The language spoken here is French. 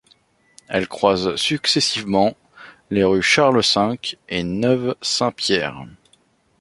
Elle croise successivement les rues Charles-V et Neuve-Saint-Pierre.